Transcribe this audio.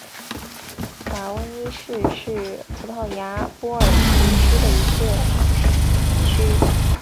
法翁伊什是葡萄牙波尔图区的一个堂区。